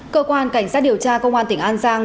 cơ quan cảnh sát điều tra công an tỉnh an giang